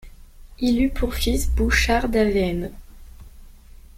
Il eut pour fils Bouchart d'Avennes.